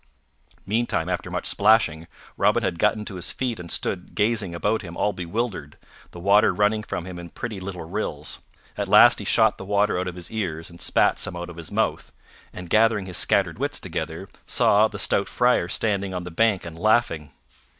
Meantime, after much splashing, Robin had gotten to his feet and stood gazing about him all bewildered, the water running from him in pretty little rills. At last he shot the water out of his ears and spat some out of his mouth, and, gathering his scattered wits together, saw the stout Friar standing on the bank and laughing.